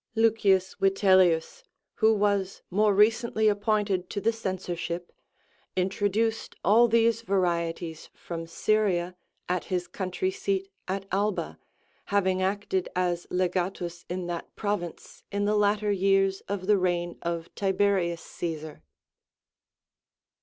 L. Vitellius, who was more recently appointed to the censor ship,97 introduced all these varieties from Syria at his country seat at Alba,93 having acted as legatus in that province in the latter years of the reign of Tiberius Caesar.